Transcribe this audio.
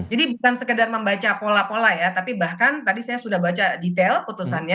jadi bukan sekedar membaca pola pola ya tapi bahkan tadi saya sudah baca detail putusannya